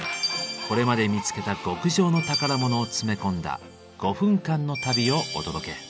これまで見つけた極上の宝物を詰め込んだ５分間の旅をお届け。